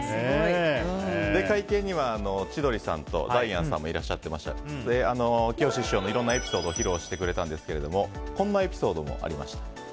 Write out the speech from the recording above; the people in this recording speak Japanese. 会見には千鳥さんとダイアンさんもいらっしゃっていましてきよし師匠のいろんなエピソードを披露してくれたんですがこんなエピソードもありました。